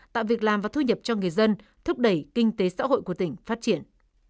tạo việc làm và thu nhập cho người dân thúc đẩy kinh tế xã hội của tỉnh phát triển